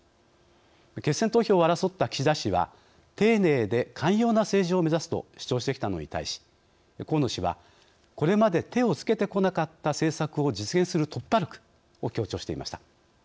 決選投票を争った岸田氏は丁寧で寛容な政治を目指すと主張してきたのに対し河野氏はこれまで手を付けてこなかった政策を実現する突破力を強調していました。